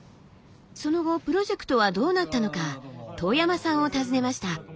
その後プロジェクトはどうなったのか遠山さんを訪ねました。